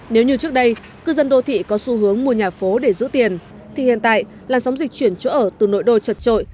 nếu như trước đây cư dân đô thị có xu hướng mua nhà phố để giữ tiền thì hiện tại làn sóng dịch chuyển chỗ ở từ nội đô trật trội